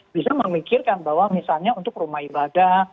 bisa memikirkan bahwa misalnya untuk rumah ibadah